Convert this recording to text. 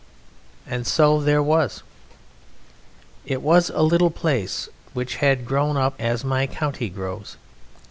And so there was. It was a little place which had grown up as my county grows.